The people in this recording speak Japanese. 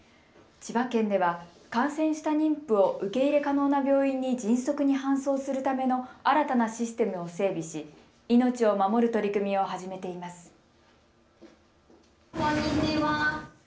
千葉県では感染した妊婦を受け入れ可能な病院に迅速に搬送するための新たなシステムを整備し、命を守る取り組みを始めています。